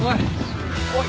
おい！